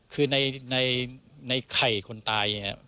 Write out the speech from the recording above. คือในไข่คนตายอย่างนี้